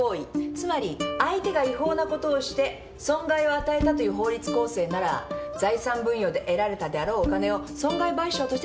つまり相手が違法なことをして損害を与えたという法律構成なら財産分与で得られたであろうお金を損害賠償として請求できる。